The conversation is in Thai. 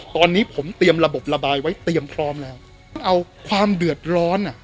ตอนนี้ผมเตรียมระบบระบายไว้เตรียมพร้อมแล้วต้องเอาความเดือดร้อนอ่ะ